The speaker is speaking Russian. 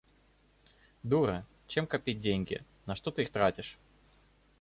Дура, чем копить деньги, на что ты их тратишь?